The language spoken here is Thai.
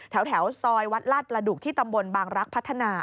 แถวซอยวัดลาดประดุกที่ตำบลบางรักพัฒนา